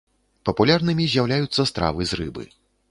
Папулярнымі з'яўляюцца стравы з рыбы.